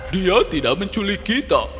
dia tidak menculik kita